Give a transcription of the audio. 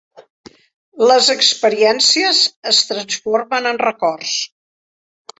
Les experiències es transformen en records.